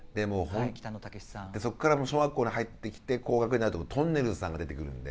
そこから小学校に入ってきて高学年になるととんねるずさんが出てくるので。